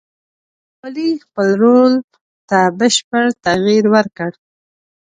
ابدالي خپل رول ته بشپړ تغییر ورکړ.